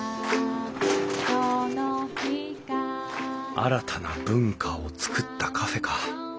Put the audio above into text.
新たな文化をつくったカフェか。